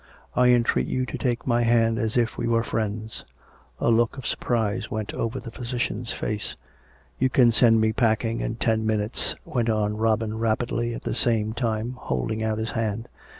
I entreat you to take my hand as if we were friends." A look of surprise went over the physician's face. " You can send me packing in ten minutes," went on Robin rapidly, at the same time holding out his hand.